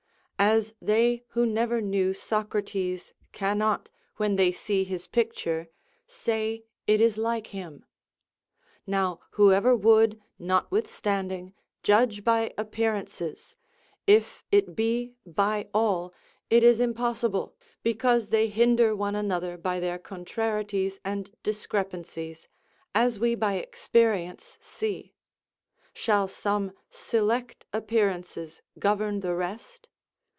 As they who never knew Socrates cannot, when they see his picture, say it is like him. Now, whoever would, notwithstanding, judge by appearances, if it be by all, it is impossible, because they hinder one another by their contrarieties and discrepancies, as we by experience see: shall some select appearances govern the rest?